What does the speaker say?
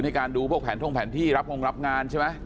การดูพวกแผนท่องแผนที่รับงงรับงานใช่ไหม